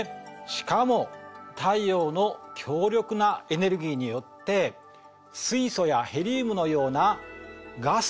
しかも太陽の強力なエネルギーによって水素やヘリウムのようなガスの成分